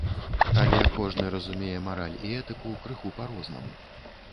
Але кожны разумее мараль і этыку крыху па-рознаму.